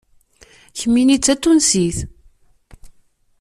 Kemmini d Tatunsit.